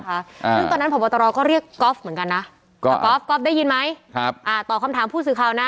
ซึ่งตอนนั้นพบตรก็เรียกก๊อฟเหมือนกันนะก๊อฟก๊อฟได้ยินไหมครับอ่าตอบคำถามผู้สื่อข่าวนะ